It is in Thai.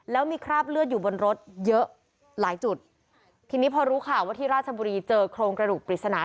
แล้วมีคราบเลือดอยู่บนรถเยอะหลายจุดทีนี้พอรู้ข่าวว่าที่ราชบุรีเจอโครงกระดูกปริศนา